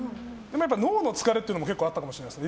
脳の疲れというのも結構あったかもしれないですね